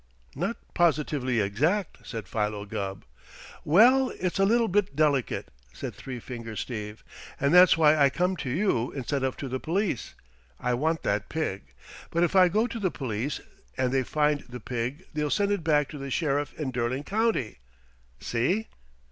"Not positively exact," said Philo Gubb. "Well, it's a little bit delicate," said Three Finger Steve, "and that's why I come to you instead of to the police. I want that pig. But if I go to the police and they find the pig they'll send it back to the Sheriff in Derling County. See?"